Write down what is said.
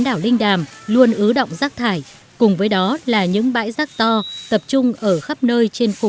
đảo linh đàm luôn ứ động rác thải cùng với đó là những bãi rác to tập trung ở khắp nơi trên phố